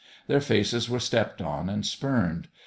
Their faces were stepped on and spurned.